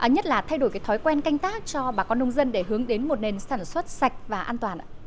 nhất là thay đổi cái thói quen canh tác cho bà con nông dân để hướng đến một nền sản xuất sạch và an toàn ạ